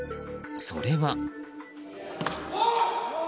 それは。